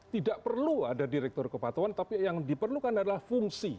tidak perlu ada direktur kepatuan tapi yang diperlukan adalah fungsi